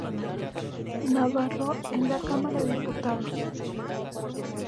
Navarro en la Cámara de Diputados.